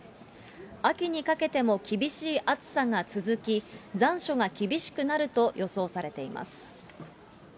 秋にかけても厳しい暑さが続き、残暑が厳しくなると予想されています。